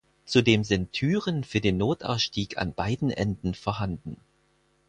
Zudem sind Türen für den Notausstieg an beiden Enden vorhanden.